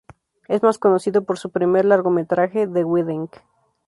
Es más conocido por su primer largometraje, The Wedding.